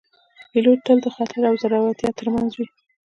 پیلوټ تل د خطر او زړورتیا ترمنځ وي